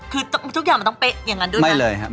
คือทุกอย่างมันต้องเป๊ะอย่างนั้นด้วยไหม